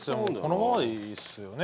このままでいいですよね